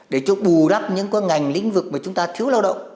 để cho bù đắp những cái ngành lĩnh vực mà chúng ta thiếu lao động